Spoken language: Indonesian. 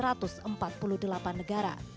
sehingga dikira sebagai panggilan negara